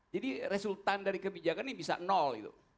jadi resultan dari kebijakan ini bisa nol